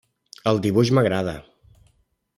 El dibuix m'agrada.